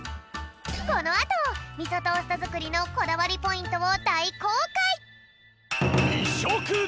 このあとみそトーストづくりのこだわりポイントをだいこうかい。